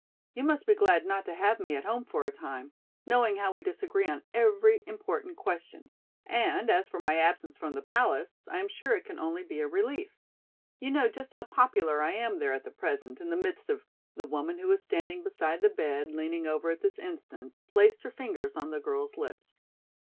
"You must be glad not to have me at home for a time, knowing how we disagree on every important question. And, as for my absence from the palace, I am sure it can only be a relief. You know just how popular I am there at present in the midst of—" The woman who was standing beside the bed, leaning over at this instant placed her fingers on the girl's lips.